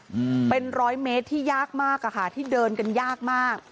อืมเป็นร้อยเมตรที่ยากมากอ่ะค่ะที่เดินกันยากมาก